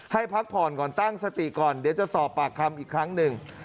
ให้พักผ่อนก่อนตั้งสติก่อนเดี๋ยวจะสอบปากคำอีกครั้งหนึ่ง